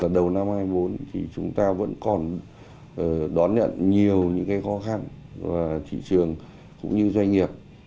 đầu năm hai nghìn hai mươi bốn thì chúng ta vẫn còn đón nhận nhiều những khó khăn về thị trường cũng như doanh nghiệp